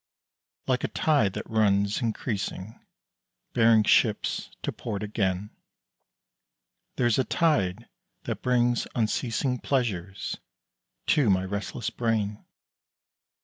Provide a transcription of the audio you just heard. Like a tide that runs increasing, Bearing ships to port again, There's a tide that brings unceasing Pleasures to my restless brain.